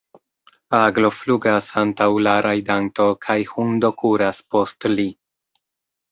Aglo flugas antaŭ la rajdanto kaj hundo kuras post li.